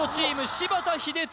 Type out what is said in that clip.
柴田英嗣